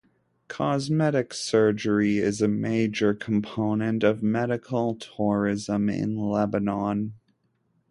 Cosmetic surgery is a major component of medical tourism in Lebanon.